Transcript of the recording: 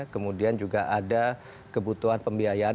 kemudian juga ada kebutuhan pembiayaan